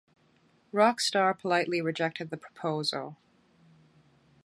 Rockstar politely rejected the proposal.